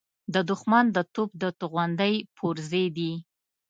د دښمن د توپ د توغندۍ پرزې دي.